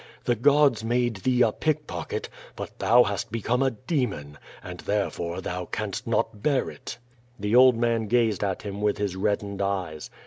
The gods made thee a pickpocket, but thou hast become a demon, and therefore thou canst not bear it." The old man gazed at him with his reddened eyes.